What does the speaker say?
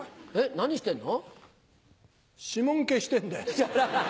何してんの？